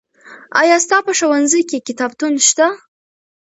آیا ستا په ښوونځي کې کتابتون شته؟